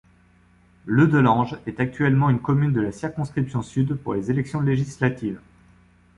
Leudelange est actuellement une commune de la circonscription Sud pour les élections législatives.